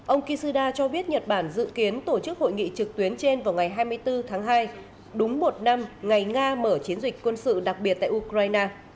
ông kishida cho biết nhật bản dự kiến tổ chức hội nghị trực tuyến trên vào ngày hai mươi bốn tháng hai đúng một năm ngày nga mở chiến dịch quân sự đặc biệt tại ukraine